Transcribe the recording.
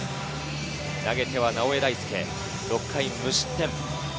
投げては直江大輔、６回無失点。